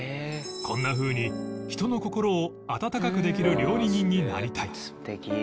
こんなふうに人の心を温かくできる料理人になりたい